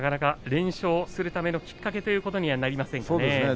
連勝するためのきっかけということにもなりませんかね。